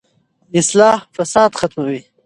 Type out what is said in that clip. اصلاح فساد ختموي.